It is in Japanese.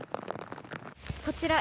こちら、